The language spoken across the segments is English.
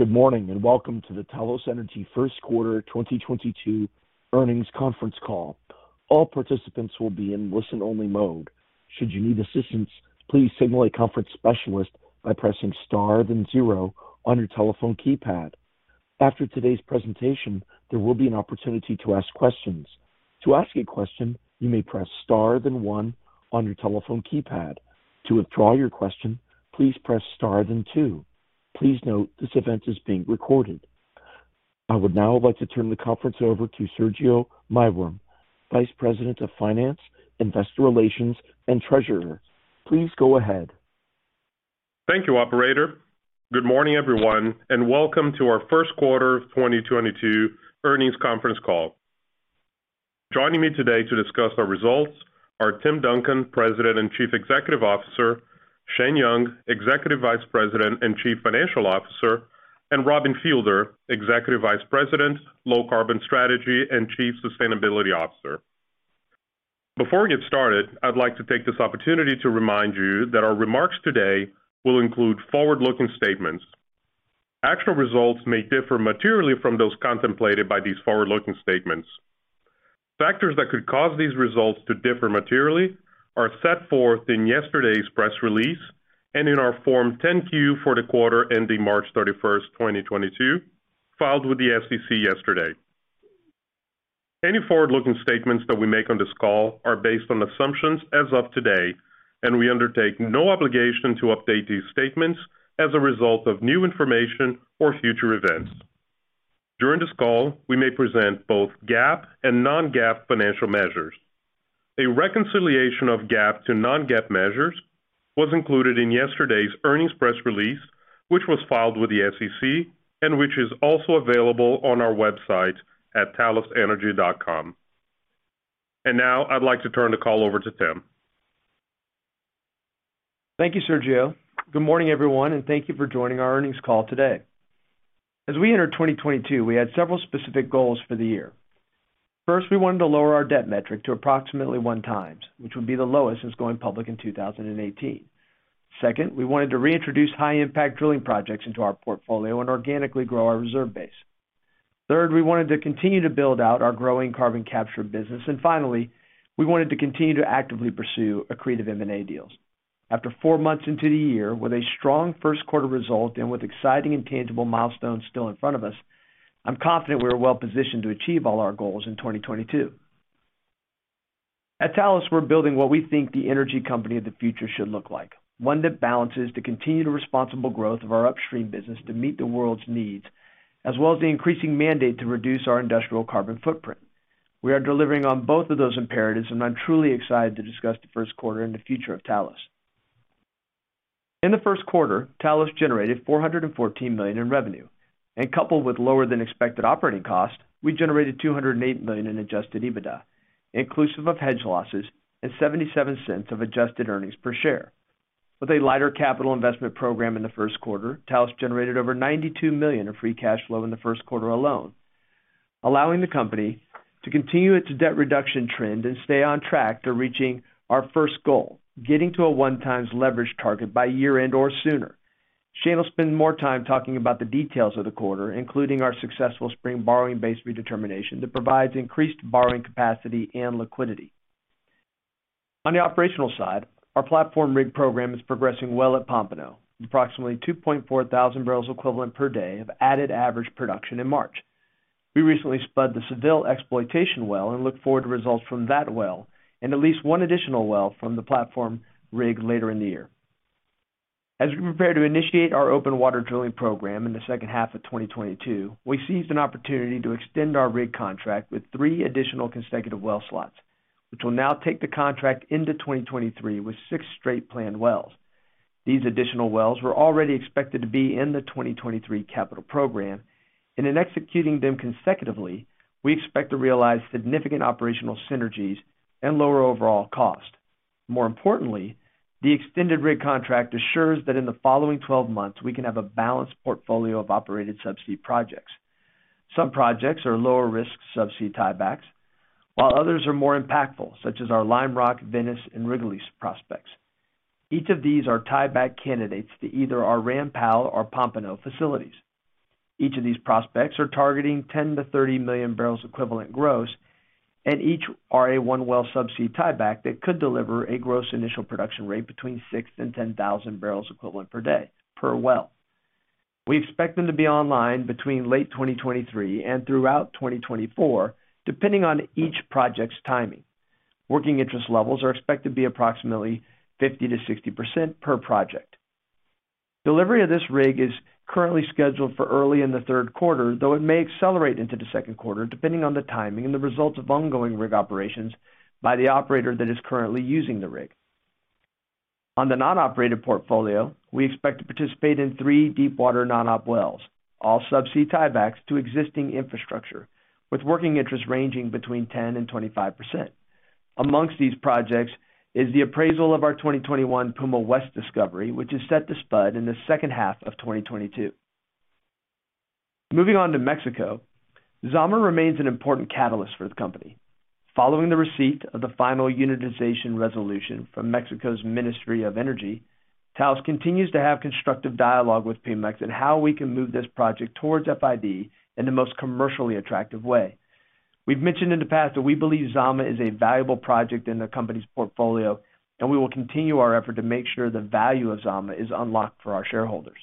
Good morning, and welcome to the Talos Energy First Quarter 2022 Earnings Conference Call. All participants will be in listen-only mode. Should you need assistance, please signal a conference specialist by pressing star then zero on your telephone keypad. After today's presentation, there will be an opportunity to ask questions. To ask a question, you may press star then one on your telephone keypad. To withdraw your question, please press star then two. Please note this event is being recorded. I would now like to turn the conference over to Sergio Maiworm, Vice President of Finance, Investor Relations, and Treasurer. Please go ahead. Thank you, operator. Good morning, everyone, and welcome to our first quarter 2022 earnings conference call. Joining me today to discuss our results are Tim Duncan, President and Chief Executive Officer, Shane Young, Executive Vice President and Chief Financial Officer, and Robin Fielder, Executive Vice President, Low Carbon Strategy and Chief Sustainability Officer. Before we get started, I'd like to take this opportunity to remind you that our remarks today will include forward-looking statements. Actual results may differ materially from those contemplated by these forward-looking statements. Factors that could cause these results to differ materially are set forth in yesterday's press release and in our form 10-Q for the quarter ending March 31st, 2022, filed with the SEC yesterday. Any forward-looking statements that we make on this call are based on assumptions as of today, and we undertake no obligation to update these statements as a result of new information or future events. During this call, we may present both GAAP and non-GAAP financial measures. A reconciliation of GAAP to non-GAAP measures was included in yesterday's earnings press release, which was filed with the SEC and which is also available on our website at talosenergy.com. Now I'd like to turn the call over to Tim. Thank you, Sergio. Good morning, everyone, and thank you for joining our earnings call today. As we entered 2022, we had several specific goals for the year. First, we wanted to lower our debt metric to approximately 1x, which would be the lowest since going public in 2018. Second, we wanted to reintroduce high-impact drilling projects into our portfolio and organically grow our reserve base. Third, we wanted to continue to build out our growing carbon capture business. Finally, we wanted to continue to actively pursue accretive M&A deals. After four months into the year with a strong first quarter result and with exciting and tangible milestones still in front of us, I'm confident we are well-positioned to achieve all our goals in 2022. At Talos, we're building what we think the energy company of the future should look like. One that balances to continue the responsible growth of our upstream business to meet the world's needs, as well as the increasing mandate to reduce our industrial carbon footprint. We are delivering on both of those imperatives, and I'm truly excited to discuss the first quarter and the future of Talos. In the first quarter, Talos generated $414 million in revenue. Coupled with lower than expected operating costs, we generated $208 million in adjusted EBITDA, inclusive of hedge losses and $0.77 of adjusted earnings per share. With a lighter capital investment program in the first quarter, Talos generated over $92 million of free cash flow in the first quarter alone, allowing the company to continue its debt reduction trend and stay on track to reaching our first goal, getting to a 1x leverage target by year-end or sooner. Shane will spend more time talking about the details of the quarter, including our successful spring borrowing base redetermination that provides increased borrowing capacity and liquidity. On the operational side, our platform rig program is progressing well at Pompano. Approximately 2,400 barrels equivalent per day of added average production in March. We recently spud the Seville exploitation well and look forward to results from that well and at least one additional well from the platform rig later in the year. As we prepare to initiate our open water drilling program in the second half of 2022, we seized an opportunity to extend our rig contract with three additional consecutive well slots, which will now take the contract into 2023 with six straight planned wells. These additional wells were already expected to be in the 2023 capital program, and in executing them consecutively, we expect to realize significant operational synergies and lower overall cost. More importantly, the extended rig contract assures that in the following 12 months, we can have a balanced portfolio of operated sub-sea projects. Some projects are lower risk sub-sea tiebacks, while others are more impactful, such as our Lime Rock, Venice, and Rigolets prospects. Each of these are tieback candidates to either our Ram Powell or Pompano facilities. Each of these prospects are targeting 10 million-30 million barrels equivalent gross, and each are a one-well sub-sea tieback that could deliver a gross initial production rate between 6,000-10,000 barrels equivalent per day per well. We expect them to be online between late 2023 and throughout 2024, depending on each project's timing. Working interest levels are expected to be approximately 50%-60% per project. Delivery of this rig is currently scheduled for early in the third quarter, though it may accelerate into the second quarter depending on the timing and the results of ongoing rig operations by the operator that is currently using the rig. On the non-operated portfolio, we expect to participate in three deepwater non-op wells, all sub-sea tiebacks to existing infrastructure, with working interest ranging between 10% and 25%. Amongst these projects is the appraisal of our 2021 Puma West discovery, which is set to spud in the second half of 2022. Moving on to Mexico. Zama remains an important catalyst for the company. Following the receipt of the final unitization resolution from Mexico's Ministry of Energy, Talos continues to have constructive dialogue with Pemex on how we can move this project towards FID in the most commercially attractive way. We've mentioned in the past that we believe Zama is a valuable project in the company's portfolio, and we will continue our effort to make sure the value of Zama is unlocked for our shareholders.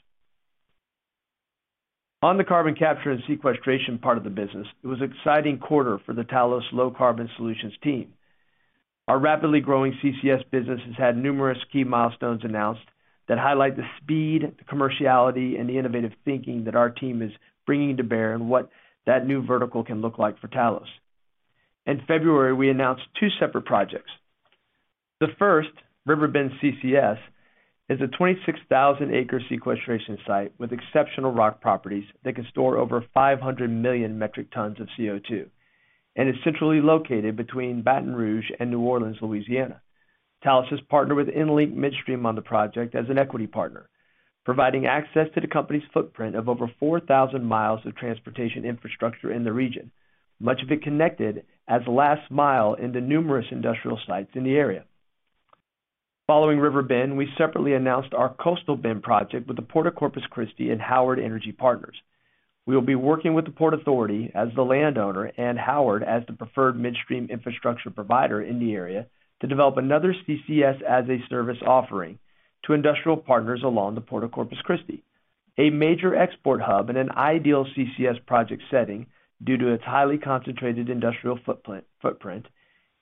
On the carbon capture and sequestration part of the business, it was an exciting quarter for the Talos Low Carbon Solutions team. Our rapidly growing CCS business has had numerous key milestones announced that highlight the speed, the commerciality, and the innovative thinking that our team is bringing to bear and what that new vertical can look like for Talos. In February, we announced two separate projects. The first, River Bend CCS, is a 26,000-acre sequestration site with exceptional rock properties that can store over 500 million metric tons of CO2 and is centrally located between Baton Rouge and New Orleans, Louisiana. Talos has partnered with EnLink Midstream on the project as an equity partner, providing access to the company's footprint of over 4,000 mi of transportation infrastructure in the region, much of it connected as last mile into numerous industrial sites in the area. Following Riverbend, we separately announced our Coastal Bend project with the Port of Corpus Christi and Howard Energy Partners. We will be working with the Port Authority as the landowner and Howard as the preferred midstream infrastructure provider in the area to develop another CCS-as-a-service offering to industrial partners along the Port of Corpus Christi, a major export hub in an ideal CCS project setting due to its highly concentrated industrial footprint,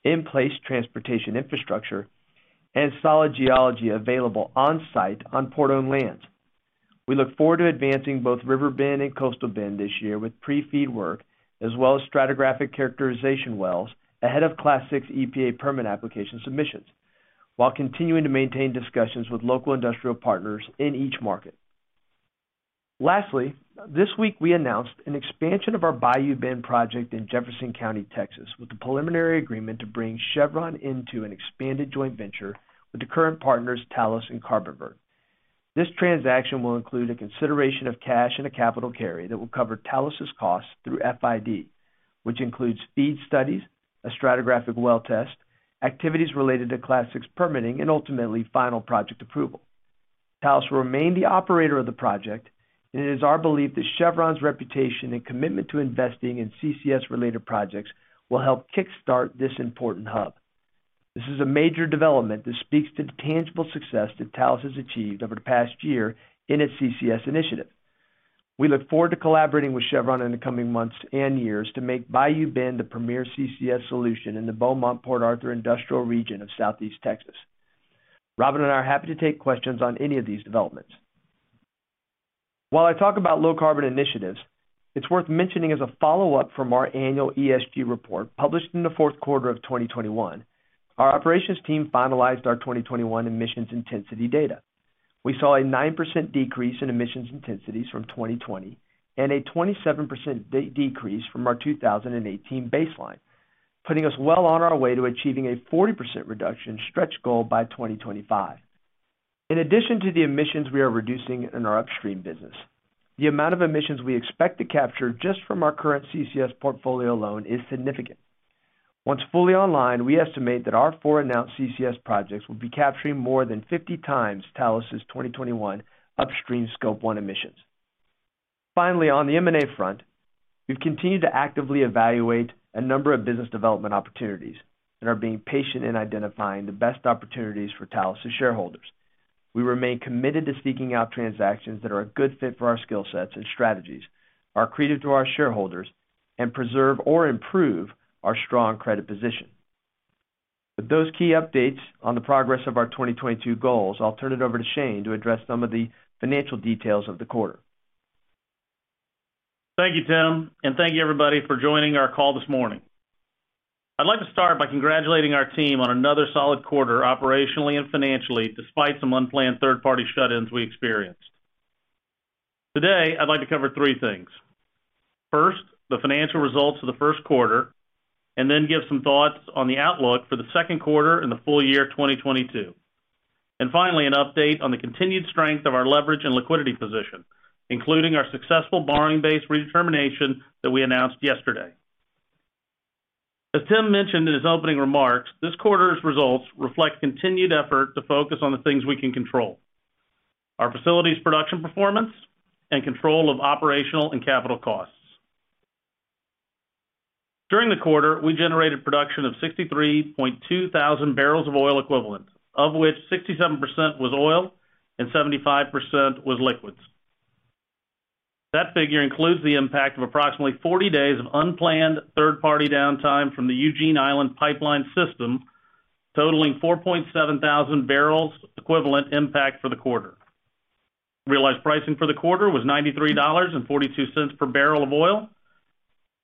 in-place transportation infrastructure, and solid geology available on site on port-owned lands. We look forward to advancing both River Bend and Coastal Bend this year with pre-FEED work as well as stratigraphic characterization wells ahead of Class VI EPA permit application submissions, while continuing to maintain discussions with local industrial partners in each market. Lastly, this week we announced an expansion of our Bayou Bend project in Jefferson County, Texas, with the preliminary agreement to bring Chevron into an expanded joint venture with the current partners, Talos and Carbonvert. This transaction will include a consideration of cash and a capital carry that will cover Talos's costs through FID, which includes FEED studies, a stratigraphic well test, activities related to Class VI permitting, and ultimately, final project approval. Talos will remain the operator of the project, and it is our belief that Chevron's reputation and commitment to investing in CCS-related projects will help kick-start this important hub. This is a major development that speaks to the tangible success that Talos has achieved over the past year in its CCS initiative. We look forward to collaborating with Chevron in the coming months and years to make Bayou Bend the premier CCS solution in the Beaumont-Port Arthur industrial region of Southeast Texas. Robin and I are happy to take questions on any of these developments. While I talk about low carbon initiatives, it's worth mentioning as a follow-up from our annual ESG report published in the fourth quarter of 2021, our operations team finalized our 2021 emissions intensity data. We saw a 9% decrease in emissions intensities from 2020 and a 27% decrease from our 2018 baseline, putting us well on our way to achieving a 40% reduction stretch goal by 2025. In addition to the emissions we are reducing in our upstream business, the amount of emissions we expect to capture just from our current CCS portfolio alone is significant. Once fully online, we estimate that our four announced CCS projects will be capturing more than 50x Talos's 2021 upstream Scope 1 emissions. Finally, on the M&A front, we've continued to actively evaluate a number of business development opportunities and are being patient in identifying the best opportunities for Talos's shareholders. We remain committed to seeking out transactions that are a good fit for our skill sets and strategies, are accretive to our shareholders, and preserve or improve our strong credit position. With those key updates on the progress of our 2022 goals, I'll turn it over to Shane to address some of the financial details of the quarter. Thank you, Tim, and thank you everybody for joining our call this morning. I'd like to start by congratulating our team on another solid quarter operationally and financially, despite some unplanned third-party shutdowns we experienced. Today, I'd like to cover three things. First, the financial results of the first quarter, and then give some thoughts on the outlook for the second quarter and the full year 2022. Finally, an update on the continued strength of our leverage and liquidity position, including our successful borrowing base redetermination that we announced yesterday. As Tim mentioned in his opening remarks, this quarter's results reflect continued effort to focus on the things we can control, our facilities production performance and control of operational and capital costs. During the quarter, we generated production of 63,200 barrels of oil equivalent, of which 67% was oil and 75% was liquids. That figure includes the impact of approximately 40 days of unplanned third-party downtime from the Eugene Island pipeline system, totaling 4,700 barrels equivalent impact for the quarter. Realized pricing for the quarter was $93.42 per barrel of oil,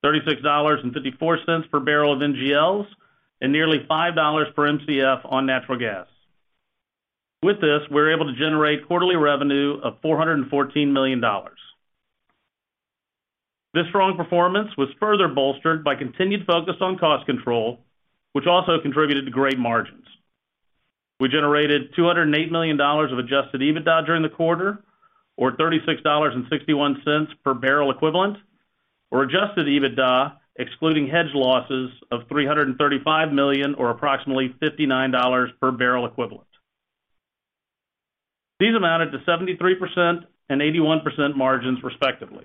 $36.54 per barrel of NGLs, and nearly $5 per Mcf on natural gas. With this, we were able to generate quarterly revenue of $414 million. This strong performance was further bolstered by continued focus on cost control, which also contributed to great margins. We generated $208 million of adjusted EBITDA during the quarter, or $36.61 per barrel equivalent, or adjusted EBITDA, excluding hedge losses of $335 million or approximately $59 per barrel equivalent. These amounted to 73% and 81% margins, respectively.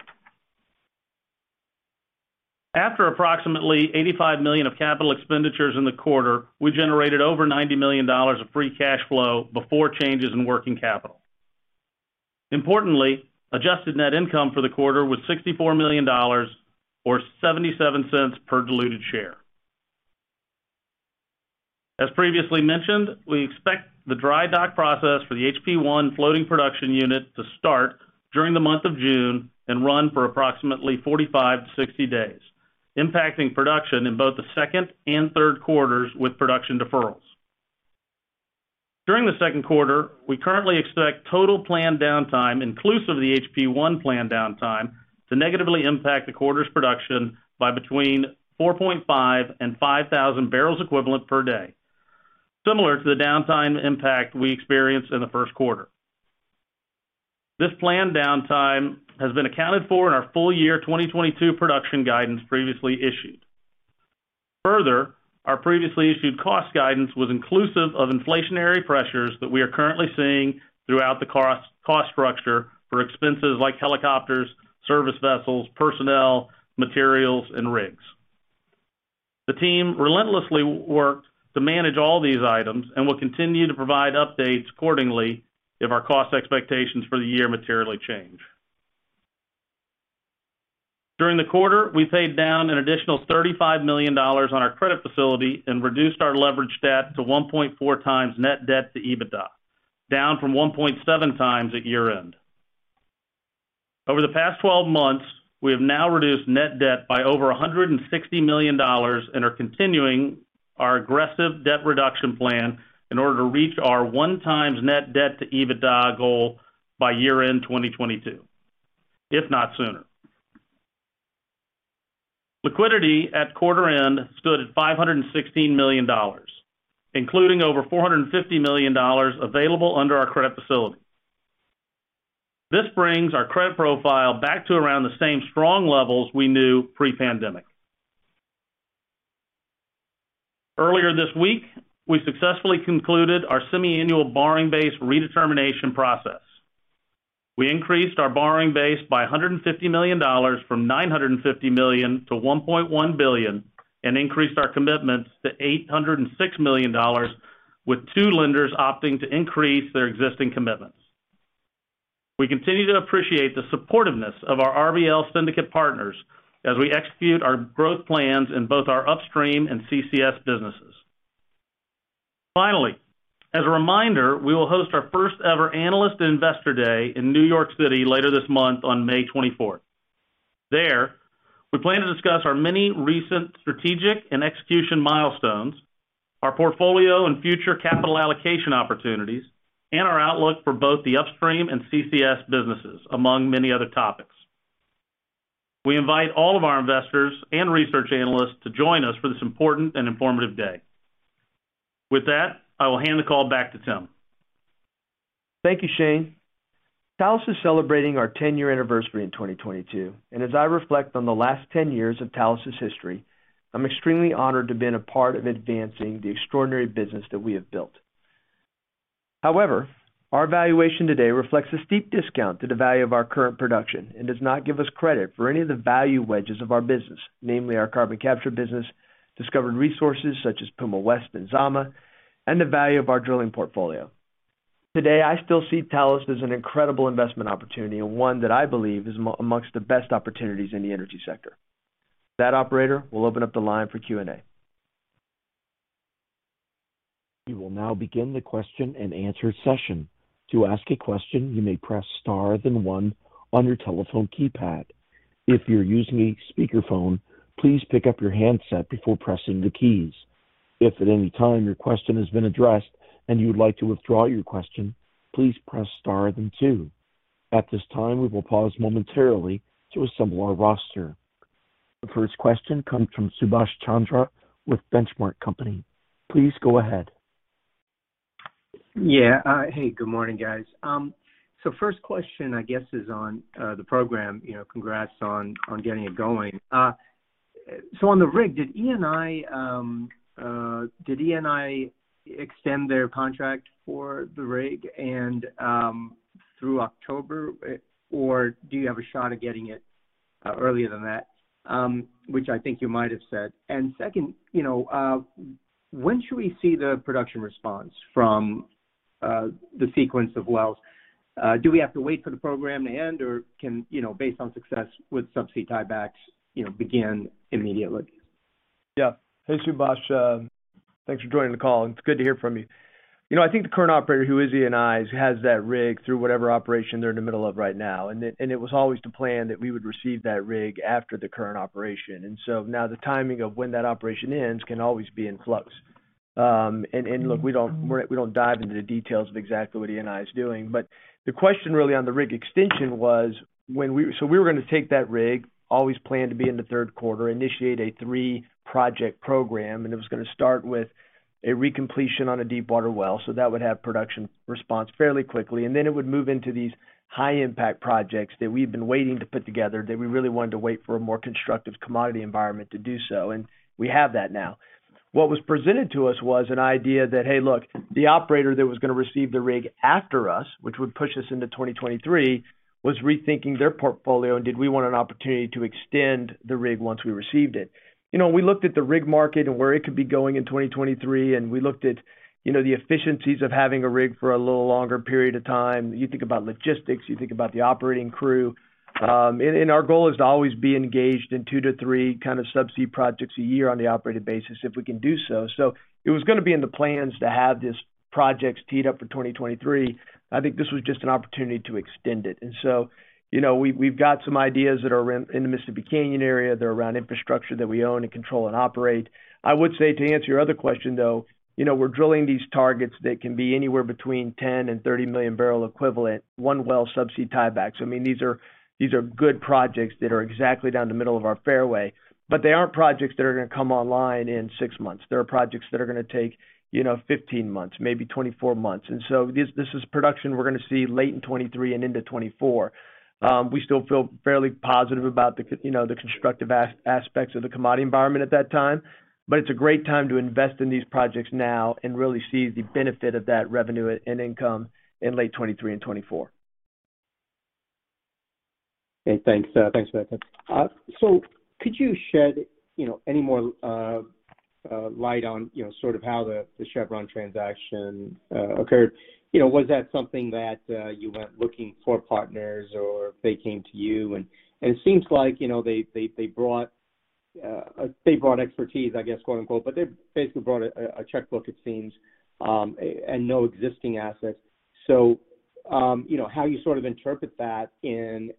After approximately $85 million of capital expenditures in the quarter, we generated over $90 million of free cash flow before changes in working capital. Importantly, adjusted net income for the quarter was $64 million or $0.77 per diluted share. As previously mentioned, we expect the dry dock process for the HP-1 floating production unit to start during the month of June and run for approximately 45-60 days, impacting production in both the second and third quarters with production deferrals. During the second quarter, we currently expect total planned downtime, inclusive of the HP-1 planned downtime to negatively impact the quarter's production by between 4,500 and 5,000 barrels equivalent per day, similar to the downtime impact we experienced in the first quarter. This planned downtime has been accounted for in our full-year 2022 production guidance previously issued. Further, our previously issued cost guidance was inclusive of inflationary pressures that we are currently seeing throughout the cost structure for expenses like helicopters, service vessels, personnel, materials, and rigs. The team relentlessly worked to manage all these items and will continue to provide updates accordingly if our cost expectations for the year materially change. During the quarter, we paid down an additional $35 million on our credit facility and reduced our leverage debt to 1.4x net debt to EBITDA, down from 1.7x at year-end. Over the past 12 months, we have now reduced net debt by over $160 million and are continuing our aggressive debt reduction plan in order to reach our 1x net debt to EBITDA goal by year-end 2022, if not sooner. Liquidity at quarter end stood at $516 million, including over $450 million available under our credit facility. This brings our credit profile back to around the same strong levels we knew pre-pandemic. Earlier this week, we successfully concluded our semiannual borrowing base redetermination process. We increased our borrowing base by $150 million from $950 million to $1.1 billion, and increased our commitments to $806 million, with two lenders opting to increase their existing commitments. We continue to appreciate the supportiveness of our RBL syndicate partners as we execute our growth plans in both our upstream and CCS businesses. Finally, as a reminder, we will host our first ever Analyst Investor Day in New York City later this month on May 24th. There, we plan to discuss our many recent strategic and execution milestones, our portfolio and future capital allocation opportunities, and our outlook for both the upstream and CCS businesses, among many other topics. We invite all of our investors and research analysts to join us for this important and informative day. With that, I will hand the call back to Tim. Thank you, Shane. Talos is celebrating our 10-year anniversary in 2022, and as I reflect on the last 10 years of Talos's history, I'm extremely honored to have been a part of advancing the extraordinary business that we have built. However, our valuation today reflects a steep discount to the value of our current production and does not give us credit for any of the value wedges of our business, namely our carbon capture business, discovered resources such as Puma West and Zama, and the value of our drilling portfolio. Today, I still see Talos as an incredible investment opportunity and one that I believe is amongst the best opportunities in the energy sector. With that operator, we'll open up the line for Q&A. We will now begin the question-and-answer session. To ask a question, you may press star, then one on your telephone keypad. If you're using a speakerphone, please pick up your handset before pressing the keys. If at any time your question has been addressed and you would like to withdraw your question, please press star, then two. At this time, we will pause momentarily to assemble our roster. The first question comes from Subash Chandra with Benchmark Company. Please go ahead. Yeah. Hey, good morning, guys. So first question, I guess is on the program. You know, congrats on getting it going. So on the rig, did Eni extend their contract for the rig and through October, or do you have a shot of getting it earlier than that? Which I think you might have said. Second, you know, when should we see the production response from the sequence of wells? Do we have to wait for the program to end, or can, you know, based on success with subsea tiebacks, you know, begin immediately? Yeah. Hey, Subhash. Thanks for joining the call. It's good to hear from you. You know, I think the current operator, who is Eni, has that rig through whatever operation they're in the middle of right now. It was always the plan that we would receive that rig after the current operation. Now the timing of when that operation ends can always be in flux. Look, we don't dive into the details of exactly what Eni is doing. The question really on the rig extension was, we were gonna take that rig, always planned to be in the third quarter, initiate a three-project program, and it was gonna start with a recompletion on a deepwater well. That would have production response fairly quickly. It would move into these high impact projects that we've been waiting to put together, that we really wanted to wait for a more constructive commodity environment to do so, and we have that now. What was presented to us was an idea that, hey, look, the operator that was gonna receive the rig after us, which would push us into 2023, was rethinking their portfolio, and did we want an opportunity to extend the rig once we received it? You know, we looked at the rig market and where it could be going in 2023, and we looked at, you know, the efficiencies of having a rig for a little longer period of time. You think about logistics, you think about the operating crew. Our goal is to always be engaged in two to three kind of subsea projects a year on the operated basis if we can do so. It was gonna be in the plans to have these projects teed up for 2023. I think this was just an opportunity to extend it. You know, we've got some ideas that are in the Mississippi Canyon area. They're around infrastructure that we own and control and operate. I would say to answer your other question, though, you know, we're drilling these targets that can be anywhere between 10 million and 30 million barrel equivalent, one well subsea tieback. I mean, these are good projects that are exactly down the middle of our fairway, but they aren't projects that are gonna come online in six months. They are projects that are gonna take, you know, 15 months, maybe 24 months. This is production we're gonna see late in 2023 and into 2024. We still feel fairly positive about the, you know, constructive aspects of the commodity environment at that time. It's a great time to invest in these projects now and really see the benefit of that revenue and income in late 2023 and 2024. Okay, thanks. Thanks for that, Tim. Could you shed, you know, any more light on, you know, sort of how the Chevron transaction occurred? You know, was that something that you went looking for partners or they came to you? It seems like, you know, they brought expertise, I guess, quote unquote, but they basically brought a checkbook, it seems, and no existing assets. You know, how you sort of interpret that in,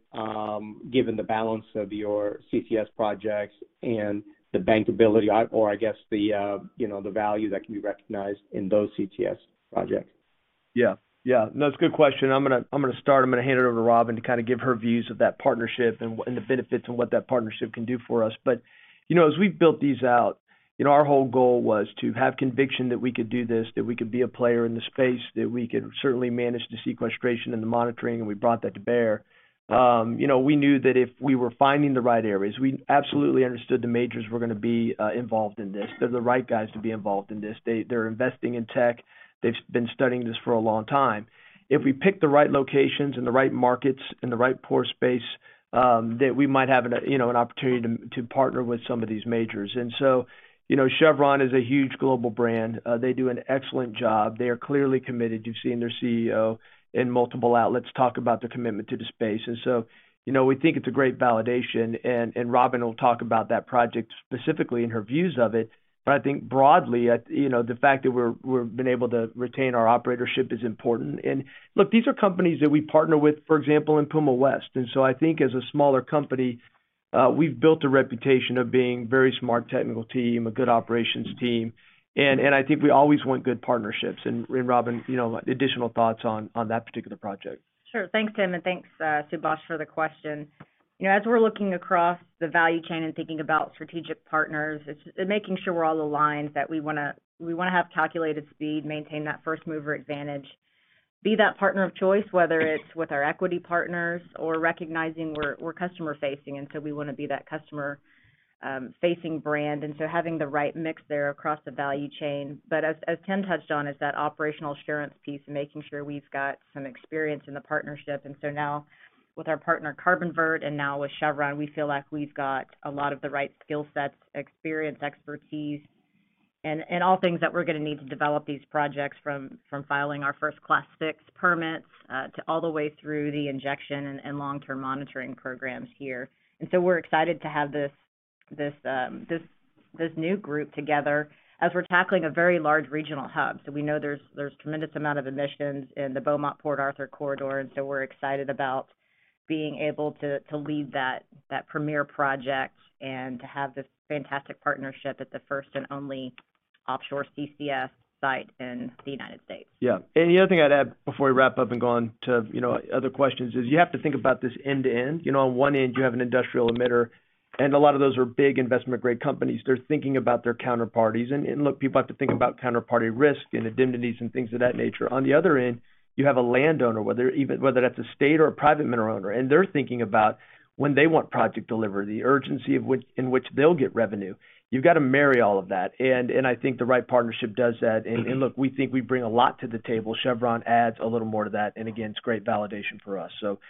given the balance of your CCS projects and the bankability or, I guess, the, you know, the value that can be recognized in those CCS projects. Yeah. Yeah. No, it's a good question. I'm gonna hand it over to Robin to kind of give her views of that partnership and the benefits and what that partnership can do for us. You know, as we've built these out, you know, our whole goal was to have conviction that we could do this, that we could be a player in the space, that we could certainly manage the sequestration and the monitoring, and we brought that to bear. You know, we knew that if we were finding the right areas, we absolutely understood the majors were gonna be involved in this. They're the right guys to be involved in this. They're investing in tech. They've been studying this for a long time. If we pick the right locations and the right markets and the right pore space, that we might have you know an opportunity to partner with some of these majors. You know, Chevron is a huge global brand. They do an excellent job. They are clearly committed. You've seen their CEO in multiple outlets talk about their commitment to the space. You know, we think it's a great validation. Robin will talk about that project specifically and her views of it. I think broadly, you know, the fact that we've been able to retain our operatorship is important. Look, these are companies that we partner with, for example, in Puma West. I think as a smaller company, we've built a reputation of being very smart technical team, a good operations team, and I think we always want good partnerships. Robin, you know, additional thoughts on that particular project. Sure. Thanks, Tim, and thanks, Subhash, for the question. You know, as we're looking across the value chain and thinking about strategic partners, it's making sure we're all aligned, that we wanna have calculated speed, maintain that first-mover advantage, be that partner of choice, whether it's with our equity partners or recognizing we're customer-facing, and so we wanna be that customer facing brand, and so having the right mix there across the value chain. But as Tim touched on, is that operational assurance piece and making sure we've got some experience in the partnership. Now with our partner, Carbonvert, and now with Chevron, we feel like we've got a lot of the right skill sets, experience, expertise, and all things that we're gonna need to develop these projects from filing our first Class VI permits to all the way through the injection and long-term monitoring programs here. We're excited to have this new group together as we're tackling a very large regional hub. We know there's tremendous amount of emissions in the Beaumont-Port Arthur corridor, and so we're excited about being able to lead that premier project and to have this fantastic partnership at the first and only offshore CCS site in the United States. Yeah. The other thing I'd add before we wrap up and go on to, you know, other questions is you have to think about this end to end. You know, on one end, you have an industrial emitter, and a lot of those are big investment-grade companies. They're thinking about their counterparties. Look, people have to think about counterparty risk and indemnities and things of that nature. On the other end, you have a landowner, whether that's a state or a private mineral owner, and they're thinking about when they want project delivery, the urgency in which they'll get revenue. You've got to marry all of that. I think the right partnership does that. Look, we think we bring a lot to the table. Chevron adds a little more to that. Again, it's great validation for us. Look,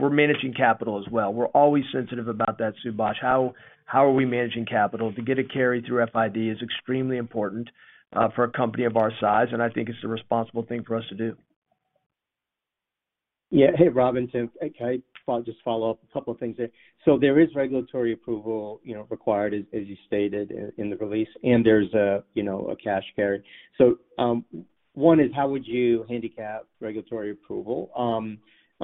we're managing capital as well. We're always sensitive about that, Subash. How are we managing capital? To get a carry through FID is extremely important, for a company of our size, and I think it's the responsible thing for us to do. Yeah. Hey, Robin, Tim. Okay. I'll just follow up a couple of things there. There is regulatory approval, you know, required as you stated in the release, and there's a, you know, a cash and carry. One is, how would you handicap regulatory approval on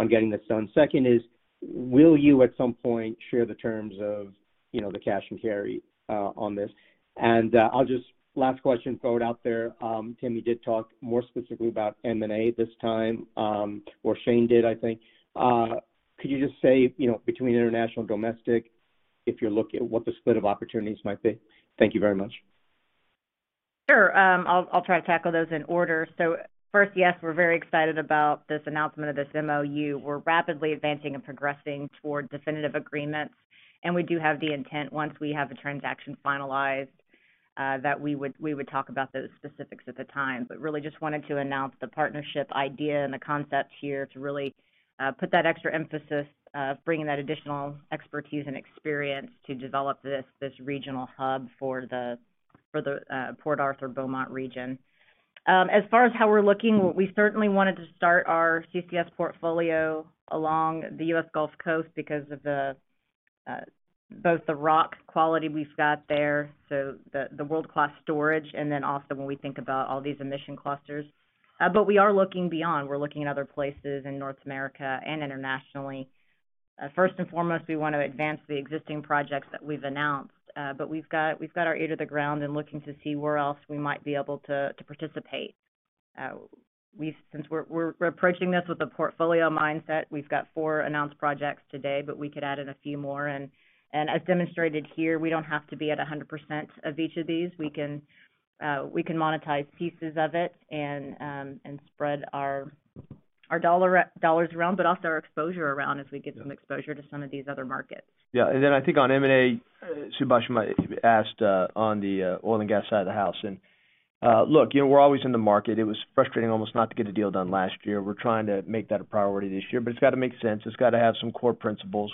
getting this done? Second is, will you, at some point, share the terms of, you know, the cash and carry on this? And I'll just throw it out there. Last question, Tim, you did talk more specifically about M&A this time, or Shane did, I think. Could you just say, you know, between international and domestic, what the split of opportunities might be? Thank you very much. Sure. I'll try to tackle those in order. First, yes, we're very excited about this announcement of this MOU. We're rapidly advancing and progressing toward definitive agreements, and we do have the intent, once we have the transaction finalized, that we would talk about those specifics at the time. Really just wanted to announce the partnership idea and the concepts here to really put that extra emphasis of bringing that additional expertise and experience to develop this regional hub for the Port Arthur Beaumont region. As far as how we're looking, we certainly wanted to start our CCS portfolio along the U.S. Gulf Coast because of both the rock quality we've got there, so the world-class storage, and then also when we think about all these emission clusters. We are looking beyond. We're looking at other places in North America and internationally. First and foremost, we want to advance the existing projects that we've announced. We've got our ear to the ground and looking to see where else we might be able to participate. Since we're approaching this with a portfolio mindset, we've got four announced projects today, but we could add in a few more. As demonstrated here, we don't have to be at 100% of each of these. We can monetize pieces of it and spread our dollars around, but also our exposure around as we get some exposure to some of these other markets. Yeah. Then I think on M&A, Subhash asked on the oil and gas side of the house. Look, you know, we're always in the market. It was frustrating almost not to get a deal done last year. We're trying to make that a priority this year, but it's got to make sense. It's got to have some core principles.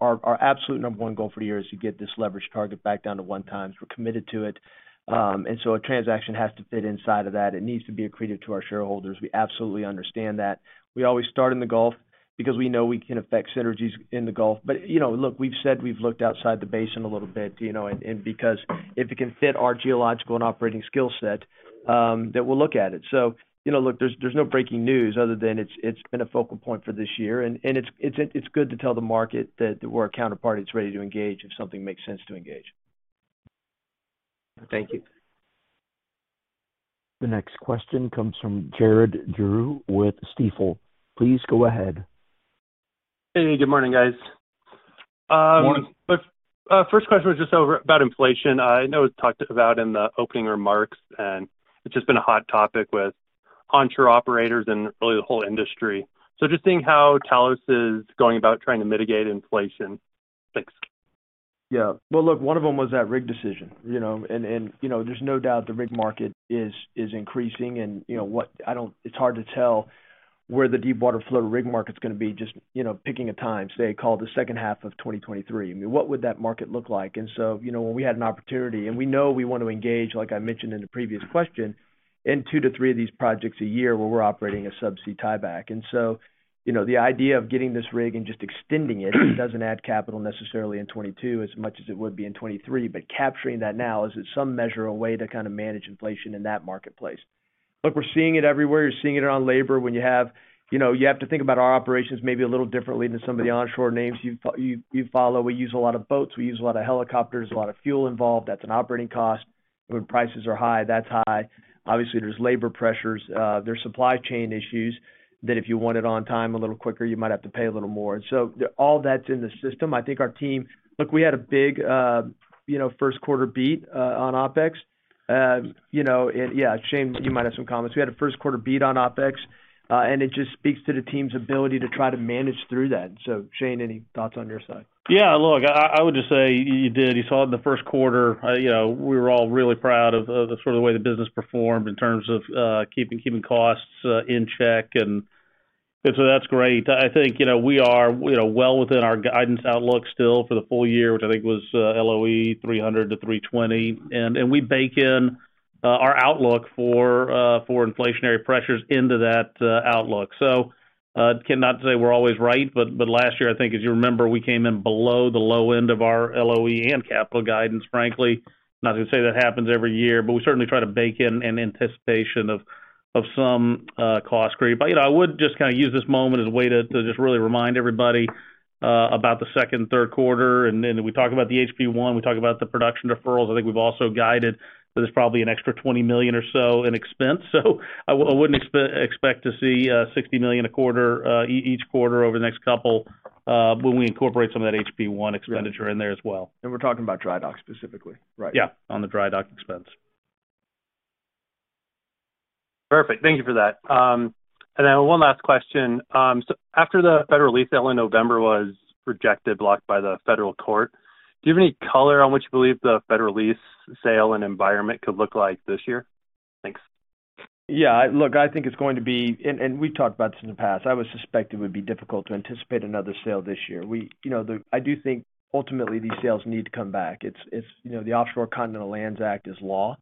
Our absolute number one goal for the year is to get this leverage target back down to 1x. We're committed to it. A transaction has to fit inside of that. It needs to be accretive to our shareholders. We absolutely understand that. We always start in the Gulf because we know we can effect synergies in the Gulf. You know, look, we've said we've looked outside the basin a little bit, you know, and because if it can fit our geological and operating skill set, then we'll look at it. You know, look, there's no breaking news other than it's been a focal point for this year. It's good to tell the market that we're a counterparty that's ready to engage if something makes sense to engage. Thank you. The next question comes from [Jared Drew] with Stifel. Please go ahead. Hey, good morning, guys. Morning. First question was just about inflation. I know it's talked about in the opening remarks, and it's just been a hot topic with onshore operators and really the whole industry. Just seeing how Talos is going about trying to mitigate inflation. Thanks. Yeah. Well, look, one of them was that rig decision, you know. You know, there's no doubt the rig market is increasing. You know what? It's hard to tell where the deepwater float rig market is gonna be just, you know, picking a time, say, call it the second half of 2023. I mean, what would that market look like? You know, when we had an opportunity and we know we want to engage, like I mentioned in the previous question, in two to three of these projects a year where we're operating a subsea tieback. You know, the idea of getting this rig and just extending it doesn't add capital necessarily in 2022 as much as it would be in 2023. Capturing that now is, at some measure, a way to kind of manage inflation in that marketplace. Look, we're seeing it everywhere. You're seeing it on labor. You know, you have to think about our operations maybe a little differently than some of the onshore names you follow. We use a lot of boats. We use a lot of helicopters, a lot of fuel involved. That's an operating cost. When prices are high, that's high. Obviously, there's labor pressures, there's supply chain issues that if you want it on time a little quicker, you might have to pay a little more. All that's in the system. I think our team. Look, we had a big, you know, first quarter beat on OpEx. You know, yeah, Shane, you might have some comments. We had a first quarter beat on OpEx, and it just speaks to the team's ability to try to manage through that. Shane, any thoughts on your side? Yeah, look, I would just say you did. You saw in the first quarter, you know, we were all really proud of the sort of way the business performed in terms of keeping costs in check. That's great. I think, you know, we are, you know, well within our guidance outlook still for the full year, which I think was LOE $300-$320. We bake in our outlook for inflationary pressures into that outlook. Cannot say we're always right, but last year, I think as you remember, we came in below the low end of our LOE and CapEx guidance, frankly. Not to say that happens every year, but we certainly try to bake in an anticipation of some cost creep. You know, I would just kind of use this moment as a way to just really remind everybody about the second and third quarter. We talk about the HP-1, we talk about the production deferrals. I think we've also guided that it's probably an extra $20 million or so in expense. I wouldn't expect to see $60 million a quarter each quarter over the next couple when we incorporate some of that HP-1 expenditure in there as well. We're talking about dry dock specifically, right? Yeah, on the dry dock expense. Perfect. Thank you for that. One last question. After the federal lease sale in November was rejected, blocked by the federal court, do you have any color on what you believe the federal lease sale and environment could look like this year? Thanks. Yeah, look, I think it's going to be. We talked about this in the past. I would suspect it would be difficult to anticipate another sale this year. We, you know, I do think ultimately these sales need to come back. It's, it's, you know, the Outer Continental Shelf Lands Act is law,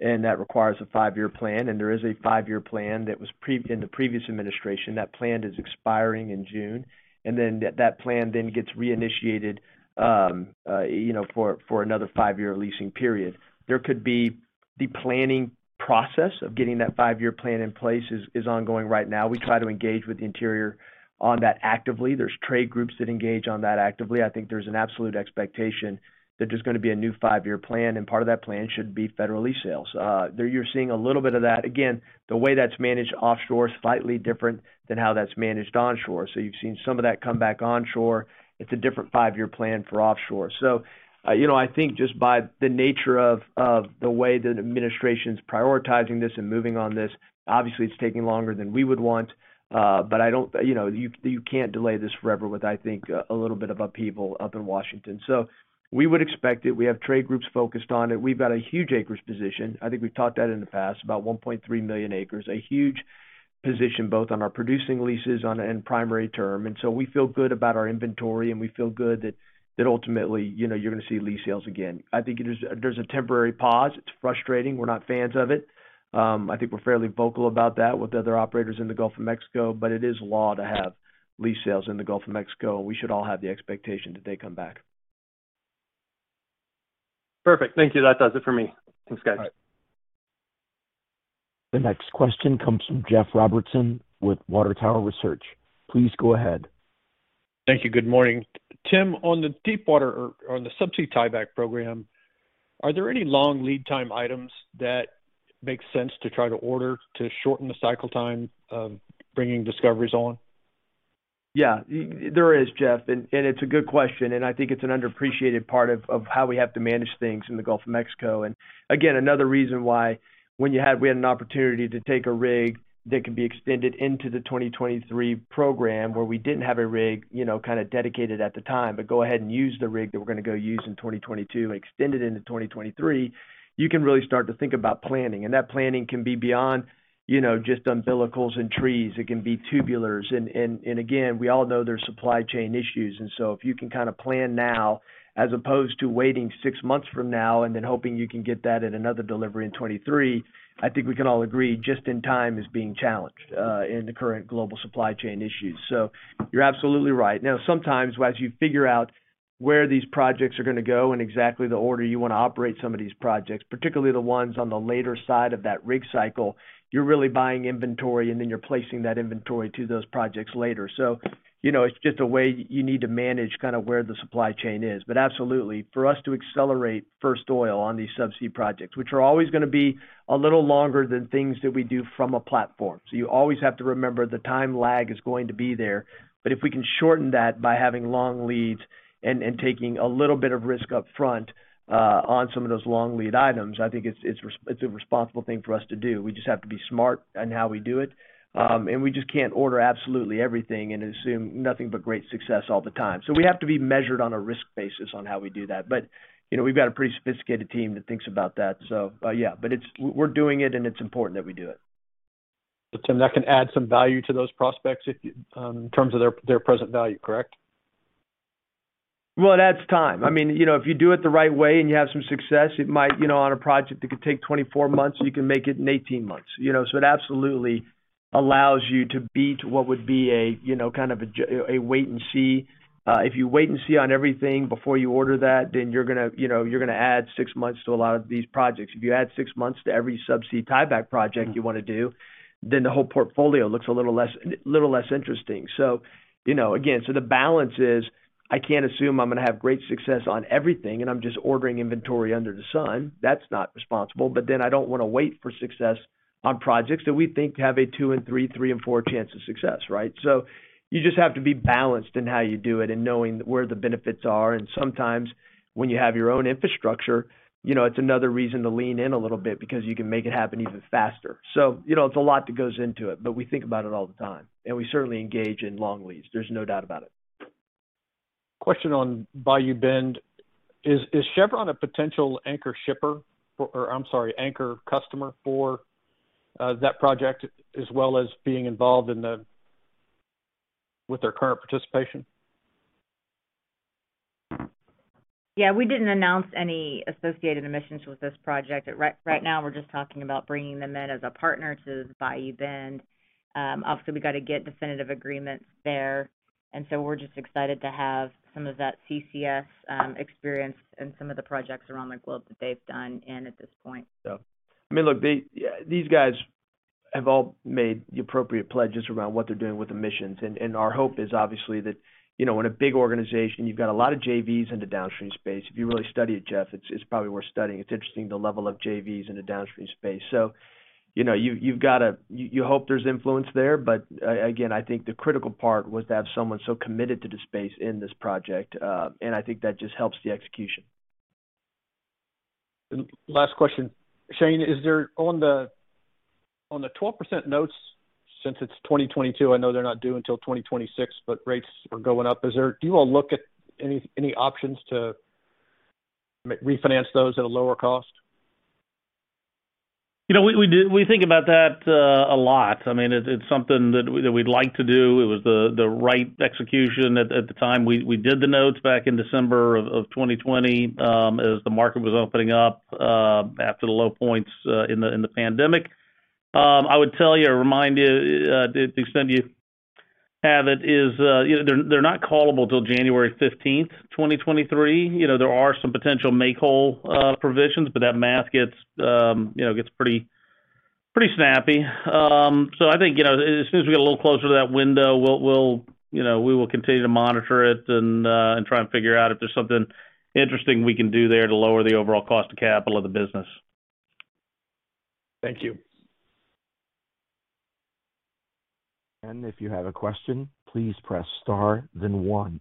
and that requires a five-year plan, and there is a five-year plan that was in the previous administration. That plan is expiring in June, and then that plan then gets reinitiated, you know, for another five-year leasing period. The planning process of getting that five-year plan in place is ongoing right now. We try to engage with Interior on that actively. There's trade groups that engage on that actively. I think there's an absolute expectation that there's gonna be a new five-year plan, and part of that plan should be federal lease sales. They're seeing a little bit of that. Again, the way that's managed offshore is slightly different than how that's managed onshore. You've seen some of that come back onshore. It's a different five-year plan for offshore. You know, I think just by the nature of the way the administration's prioritizing this and moving on this, obviously, it's taking longer than we would want. You know, you can't delay this forever with, I think, a little bit of upheaval up in Washington. We would expect it. We have trade groups focused on it. We've got a huge acres position. I think we've talked about that in the past, about 1.3 million acres. A huge position both on our producing leases and primary term. We feel good about our inventory, and we feel good that ultimately, you know, you're gonna see lease sales again. I think there's a temporary pause. It's frustrating. We're not fans of it. I think we're fairly vocal about that with other operators in the Gulf of Mexico, but it is law to have lease sales in the Gulf of Mexico. We should all have the expectation that they come back. Perfect. Thank you. That does it for me. Thanks, guys. All right. The next question comes from Jeff Robertson with Water Tower Research. Please go ahead. Thank you. Good morning. Tim, on the deepwater or on the subsea tieback program, are there any long lead time items that make sense to try to order to shorten the cycle time of bringing discoveries on? Yeah, there is, Jeff, and it's a good question, and I think it's an underappreciated part of how we have to manage things in the Gulf of Mexico. Again, another reason why when we had an opportunity to take a rig that could be extended into the 2023 program, where we didn't have a rig, you know, kinda dedicated at the time, but go ahead and use the rig that we're gonna go use in 2022 and extend it into 2023, you can really start to think about planning. That planning can be beyond, you know, just umbilicals and trees. It can be tubulars. Again, we all know there's supply chain issues. If you can kinda plan now as opposed to waiting six months from now and then hoping you can get that at another delivery in 2023, I think we can all agree just in time is being challenged in the current global supply chain issues. You're absolutely right. Now, sometimes, as you figure out where these projects are gonna go and exactly the order you wanna operate some of these projects, particularly the ones on the later side of that rig cycle, you're really buying inventory, and then you're placing that inventory to those projects later. You know, it's just a way you need to manage kinda where the supply chain is. Absolutely, for us to accelerate first oil on these subsea projects, which are always gonna be a little longer than things that we do from a platform. You always have to remember the time lag is going to be there. If we can shorten that by having long leads and taking a little bit of risk up front on some of those long lead items, I think it's a responsible thing for us to do. We just have to be smart on how we do it. We just can't order absolutely everything and assume nothing but great success all the time. We have to be measured on a risk basis on how we do that. You know, we've got a pretty sophisticated team that thinks about that. Yeah, we're doing it, and it's important that we do it. Tim, that can add some value to those prospects if, in terms of their present value, correct? Well, it adds time. I mean, you know, if you do it the right way and you have some success, it might, you know, on a project that could take 24 months, you can make it in 18 months. You know? It absolutely allows you to beat what would be a, you know, kind of a wait and see. If you wait and see on everything before you order that, then you're gonna, you know, you're gonna add six months to a lot of these projects. If you add six months to every subsea tieback project you wanna do, then the whole portfolio looks a little less interesting. Again, the balance is, I can't assume I'm gonna have great success on everything, and I'm just ordering inventory under the sun. That's not responsible. I don't wanna wait for success on projects that we think have a 2 in 3, 3 in 4 chance of success, right? You just have to be balanced in how you do it and knowing where the benefits are. Sometimes when you have your own infrastructure, you know, it's another reason to lean in a little bit because you can make it happen even faster. You know, it's a lot that goes into it, but we think about it all the time, and we certainly engage in long leads. There's no doubt about it. Question on Bayou Bend. Is Chevron a potential anchor customer for that project as well as being involved with their current participation? Yeah. We didn't announce any associated emissions with this project. Right now we're just talking about bringing them in as a partner to the Bayou Bend. Obviously, we got to get definitive agreements there, and so we're just excited to have some of that CCS experience in some of the projects around the globe that they've done and at this point. I mean, look, these guys have all made the appropriate pledges around what they're doing with emissions. Our hope is obviously that, you know, in a big organization, you've got a lot of JVs in the downstream space. If you really study it, Jeff, it's probably worth studying. It's interesting, the level of JVs in the downstream space. You know, you hope there's influence there. Again, I think the critical part was to have someone so committed to the space in this project. I think that just helps the execution. Last question. Shane, on the 12% notes, since it's 2022, I know they're not due until 2026, but rates are going up. Is there, do you all look at any options to refinance those at a lower cost? You know, we think about that a lot. I mean, it's something that we'd like to do. It was the right execution at the time we did the notes back in December of 2020, as the market was opening up after the low points in the pandemic. I would tell you or remind you, to the extent you have it is, you know, they're not callable till January 15, 2023. You know, there are some potential make whole provisions, but that math gets you know, gets pretty snappy. I think, you know, as soon as we get a little closer to that window, we'll, you know, we will continue to monitor it and try and figure out if there's something interesting we can do there to lower the overall cost of capital of the business. Thank you. If you have a question, please press star then one.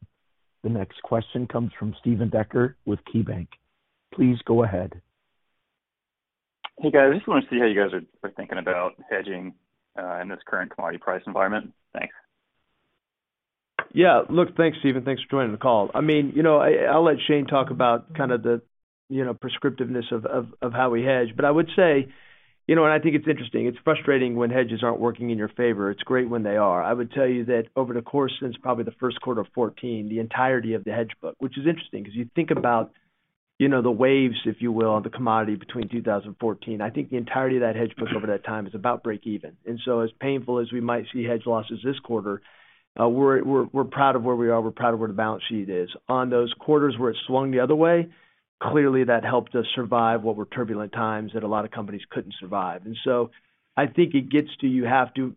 The next question comes from Steven Dechert with KeyBanc Capital Markets. Please go ahead. Hey, guys. I just wanna see how you guys are thinking about hedging in this current commodity price environment. Thanks. Yeah. Look, thanks, Steven. Thanks for joining the call. I mean, you know, I'll let Shane talk about kind of the, you know, prescriptiveness of how we hedge. I would say, you know, I think it's interesting. It's frustrating when hedges aren't working in your favor. It's great when they are. I would tell you that over the course, since probably the first quarter of 2014, the entirety of the hedge book, which is interesting 'cause you think about, you know, the waves, if you will, on the commodity between 2000 and 2014. I think the entirety of that hedge book over that time is about break even. As painful as we might see hedge losses this quarter, we're proud of where we are, we're proud of where the balance sheet is. On those quarters where it swung the other way, clearly that helped us survive what were turbulent times that a lot of companies couldn't survive. I think it gets to you have to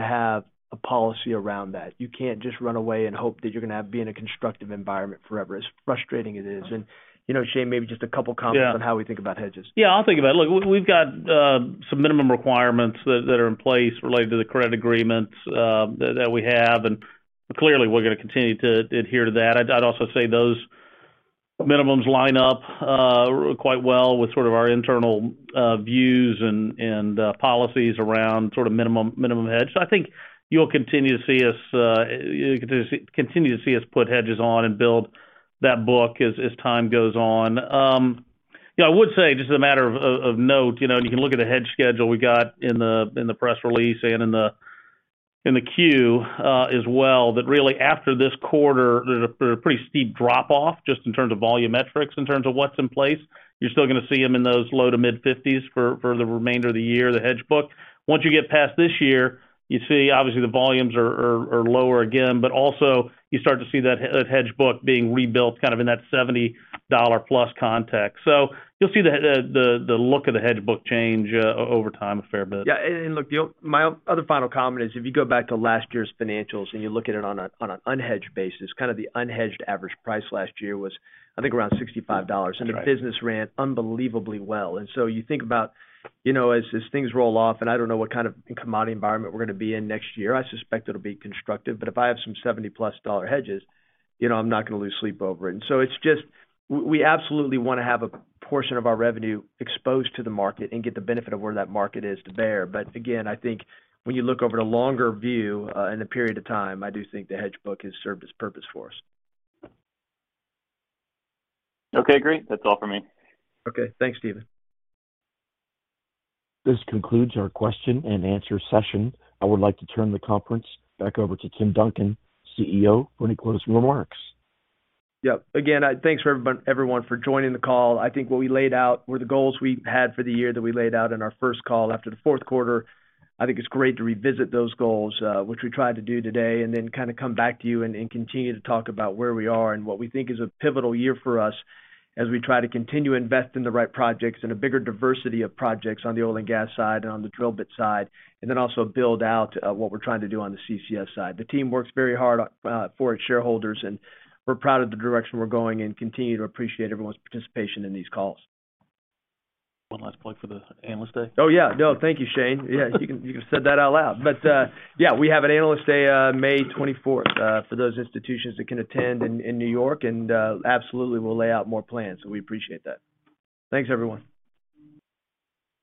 have a policy around that. You can't just run away and hope that you're gonna be in a constructive environment forever, as frustrating it is. You know, Shane, maybe just a couple comments... Yeah. ...on how we think about hedges. Yeah, I'll think about it. Look, we've got some minimum requirements that are in place related to the credit agreements that we have. Clearly we're gonna continue to adhere to that. I'd also say those minimums line up quite well with sort of our internal views and policies around sort of minimum hedge. I think you'll continue to see us put hedges on and build that book as time goes on. You know, I would say, just as a matter of note, you know, and you can look at the hedge schedule we got in the press release and in the 10-Q as well, that really after this quarter, there's a pretty steep drop-off just in terms of volume metrics, in terms of what's in place. You're still gonna see them in those low to mid-50s for the remainder of the year, the hedge book. Once you get past this year, you see obviously the volumes are lower again. Also you start to see that hedge book being rebuilt kind of in that $70+ context. You'll see the look of the hedge book change over time a fair bit. Look, my other final comment is, if you go back to last year's financials and you look at it on an unhedged basis, kind of the unhedged average price last year was, I think, around $65. That's right. The business ran unbelievably well. You think about, you know, as things roll off, and I don't know what kind of commodity environment we're gonna be in next year. I suspect it'll be constructive, but if I have some $70+ hedges, you know I'm not gonna lose sleep over it. It's just we absolutely wanna have a portion of our revenue exposed to the market and get the benefit of where that market is today. Again, I think when you look over the longer view, in the period of time, I do think the hedge book has served its purpose for us. Okay, great. That's all for me. Okay. Thanks, Steven. This concludes our question and answer session. I would like to turn the conference back over to Tim Duncan, CEO, for any closing remarks. Yep. Again, thanks for everyone for joining the call. I think what we laid out were the goals we had for the year that we laid out in our first call after the fourth quarter. I think it's great to revisit those goals, which we tried to do today, and then kinda come back to you and continue to talk about where we are and what we think is a pivotal year for us as we try to continue to invest in the right projects and a bigger diversity of projects on the oil and gas side and on the drill bit side, and then also build out what we're trying to do on the CCS side. The team works very hard for its shareholders, and we're proud of the direction we're going and continue to appreciate everyone's participation in these calls. One last plug for the Analyst Day. Oh, yeah. No, thank you, Shane. Yeah, you can say that out loud. But, yeah, we have an Analyst Day, May 24th, for those institutions that can attend in New York. Absolutely we'll lay out more plans, so we appreciate that. Thanks, everyone.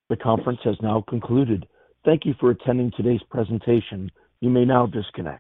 The conference has now concluded. Thank you for attending today's presentation. You may now disconnect.